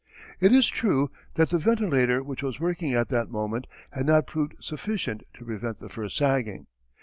It is true that the ventilator which was working at that moment had not proved sufficient to prevent the first sagging.